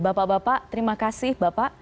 bapak bapak terima kasih